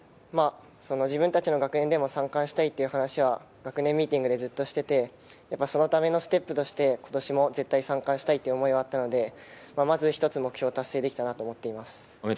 自分たちの学年でも３冠をしたいという話はずっとしていて、そのためのステップとして今年も絶対三冠をしたいという思いがあったので、一つ目標を達成できたと思っています。